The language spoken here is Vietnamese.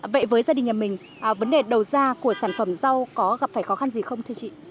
vậy với gia đình nhà mình vấn đề đầu ra của sản phẩm rau có gặp phải khó khăn gì không thưa chị